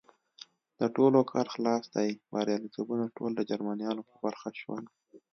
د ټولو کار خلاص دی، بریالیتوبونه ټول د جرمنیانو په برخه شول.